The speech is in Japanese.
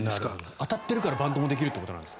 当たってるからバントもできるということなんですか。